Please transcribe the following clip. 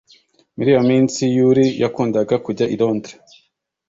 Muri iyo minsi Yuri yakundaga kujya i Londres